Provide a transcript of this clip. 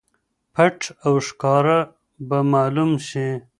پټ او ښکاره به معلوم شي.